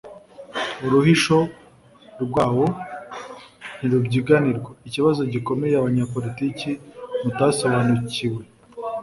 uruhisho rwawo ntirubyiganirwa. ikibazo gikomeye abanyapolitiki mutasobanukiwe